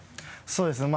そうですね。